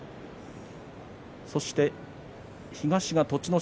そして東は栃ノ